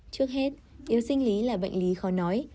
trước hết yếu sinh lý là bệnh lý khó nói